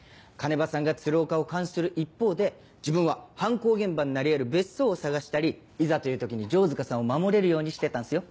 鐘場さんが鶴丘を監視する一方で自分は犯行現場になり得る別荘を探したりいざという時に城塚さんを守れるようにしてたんすよ。